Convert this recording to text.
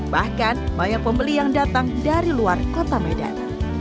bahkan banyak pembeli yang datang dari luar kota medan